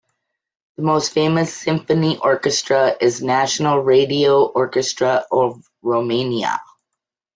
The most famous symphony orchestra is National Radio Orchestra of Romania.